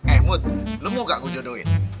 eh mood lo mau gak gue jodohin